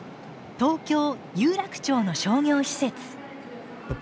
東京・有楽町の商業施設。